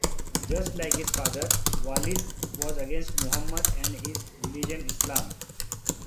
Just like his father, Walid was against Muhammad and his religion Islam.